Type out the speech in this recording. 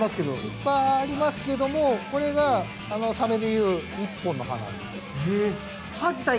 いっぱいありますけどもこれがあのサメで言う一本の歯なんです。